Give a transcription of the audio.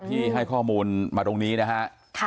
ที่ให้ข้อมูลมาตรงนี้นะฮะ